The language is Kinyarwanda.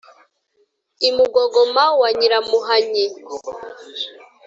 i mugogoma wa nyiramuhanyi